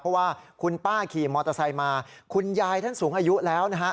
เพราะว่าคุณป้าขี่มอเตอร์ไซค์มาคุณยายท่านสูงอายุแล้วนะฮะ